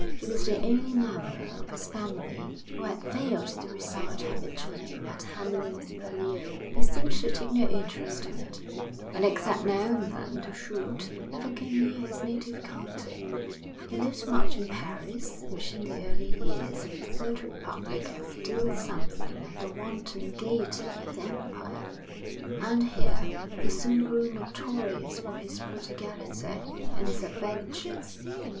He was the only member of his family who had failed to reside habitually at Hamlyn's Purlieu. He seemed to take no interest in it, and except now and then to shoot, never came near his native county. He lived much in Paris, which in the early years of the third republic had still something of the wanton gaiety of the Empire; and here he soon grew notorious for his prodigality and his adventures.